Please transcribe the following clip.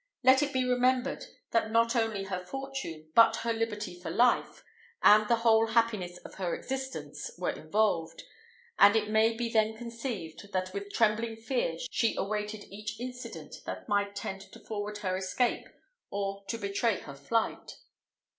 Let it be remembered, that not only her fortune, but her liberty for life, and the whole happiness of her existence, were involved; and it may be then conceived with what trembling fear she awaited each incident that might tend to forward her escape or to betray her flight.